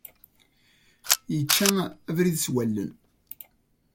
Yečča abrid s wallen.